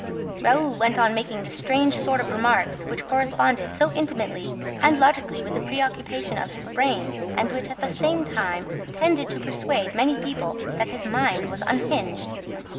Raoul went on making this strange sort of remarks which corresponded so intimately and logically with the preoccupation of his brain and which, at the same time, tended to persuade many people that his mind was unhinged.